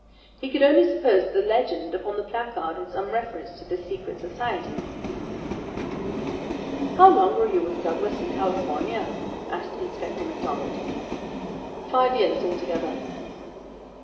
He could only suppose that the legend upon the placard had some reference to this secret society. "How long were you with Douglas in California?" asked Inspector MacDonald. "Five years altogether."